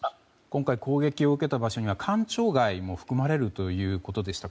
今回攻撃を受けた場所には官庁街も含まれるということでした。